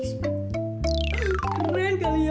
suara apaan tuh ya